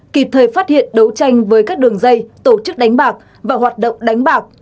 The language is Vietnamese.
kịp thời phát hiện đấu tranh với các đường dây tổ chức đánh bạc và hoạt động đánh bạc